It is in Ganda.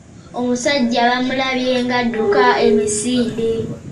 Omusajja bamulabye ng'adduka emisinde.